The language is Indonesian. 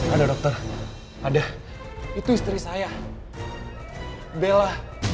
ada dokter ada itu istri saya bella